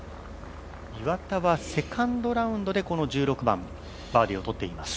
岩田はセカンドラウンドで１６番バーディーを取っています。